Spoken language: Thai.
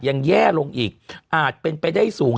ยังแย่ลงอีกอาจเป็นไปได้สูง